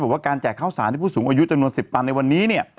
บอกว่าการแจกข้าวสาวให้ผู้สูงอายุจำนวน๑๐ปันในวันนี้